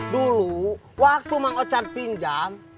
dulu waktu mang ochar pinjam